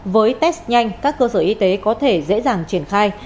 với test nhanh các cơ sở y tế có thể dễ dàng triển khai